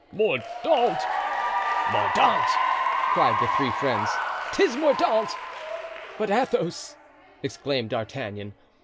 "Mordaunt! Mordaunt!" cried the three friends; "'tis Mordaunt!" "But Athos!" exclaimed D'Artagnan.